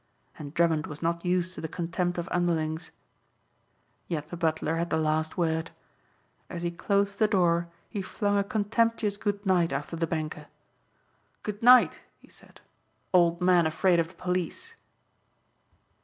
And Drummond was not used to the contempt of underlings. Yet the butler had the last word. As he closed the door he flung a contemptuous good night after the banker. "Good night," he said, "Old Man Afraid of the Police."